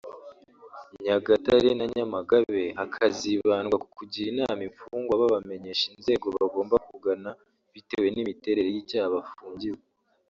Nyagatare na Nyamagabe hakazibandwa ku kugira inama imfungwa babamenyesha inzego bagomba kugana bitewe n’imiterere y’icyaha bafungiwe